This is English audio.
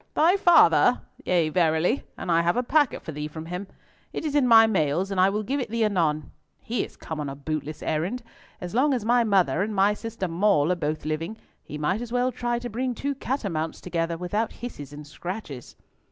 "Thy father? yea, verily, and I have a packet for thee from him. It is in my mails, and I will give it thee anon. He is come on a bootless errand! As long as my mother and my sister Mall are both living, he might as well try to bring two catamounts together without hisses and scratches."